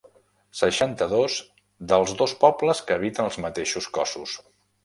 Seixanta-dos dels dos pobles que habiten els mateixos cossos.